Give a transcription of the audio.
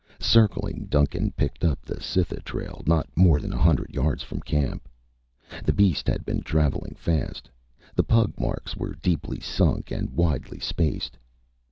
Circling, Duncan picked up the Cytha trail not more than a hundred yards from camp. The beast had been traveling fast. The pug marks were deeply sunk and widely spaced.